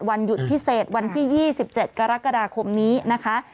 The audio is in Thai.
วันหยุดพิเศษวันที่๒๗กรกฎาคมนี้นะคะ